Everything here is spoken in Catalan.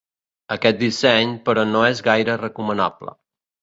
Aquest disseny però no és gaire recomanable.